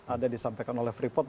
ada disampaikan oleh freeport